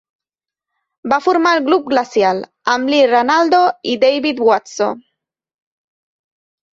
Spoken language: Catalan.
Va formar el grup Glacial amb Lee Ranaldo i David Watso.